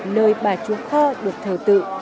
nơi bà chú kho được thờ tự